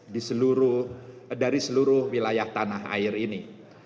dari seluruh wilayah tanah air ini